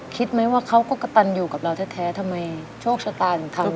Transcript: คิดไหมว่าเขาก็กระตันอยู่กับเราแท้ทำไมโชคชะตาถึงทำ